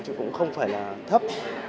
chứ cũng không phải là thấp